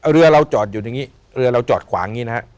เรือเราจอดอยู่อย่างนี้เรือเราจอดขวางอย่างนี้นะฮะ